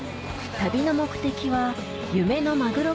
旅の目的は夢のマグロ